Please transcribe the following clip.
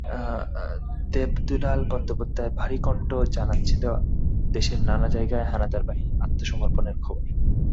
দেবদুলাল বন্দ্যোপাধ্যায়ের ভারী কণ্ঠ জানাচ্ছিল দেশের নানা জায়গায় হানাদার বাহিনীর আত্মসমর্পণের খবর।